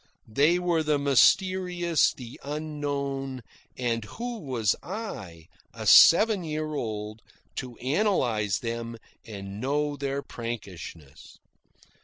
They were the mysterious, the unknown, and who was I, a seven year old, to analyse them and know their prankishness?